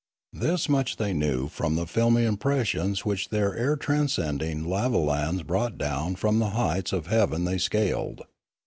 This much they knew from the filmy impressions which their air transcending lavolans brought down from the heights of heaven they scaled.